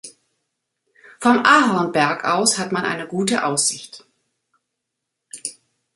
Vom Ahorn-Berg aus hat man eine gute Aussicht.